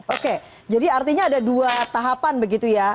oke jadi artinya ada dua tahapan begitu ya